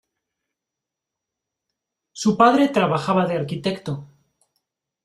Su padre trabajaba de arquitecto.